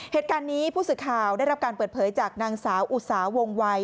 เหตุการณ์นี้ผู้สื่อข่าวได้รับการเปิดเผยจากนางสาวอุตสาวงวัย